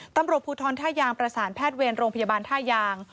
ตำรวจภูทรท่ายางประสานแพทย์เวรโรงพยาบาลท่ายาง